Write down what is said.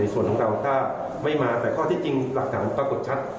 ส่วนของเก่าถ้าไม่มาแต่ข้อที่จริงหลักฐานปรากฏชัด